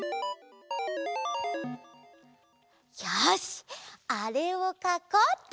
よしあれをかこうっと！